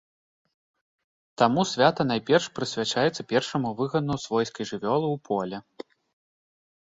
Таму свята найперш прысвячаецца першаму выгану свойскай жывёлы ў поле.